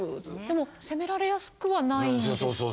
でも攻められやすくはないんですか？